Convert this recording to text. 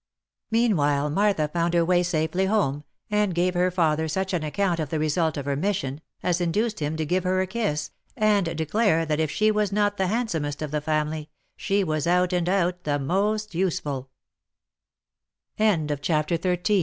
Meanwhile Martha found her way safely home, and gave her father such an account of the result of her mission, as induced him to give her a kiss, and declare that if she was not the handsomest of the family, she was out and out the most use